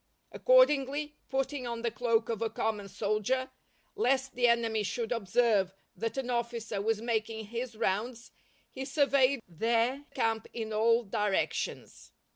_" Accordingly, putting on the cloak of a common soldier, lest the enemy should observe that an officer was making his rounds he surveyed their camp in all directions.